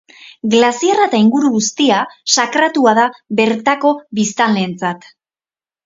Glaziarra eta inguru guztia, sakratua da bertako biztanleentzat.